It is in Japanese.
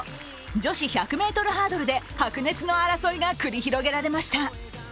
女子１００ｍハードルで白熱の争いが繰り広げられました。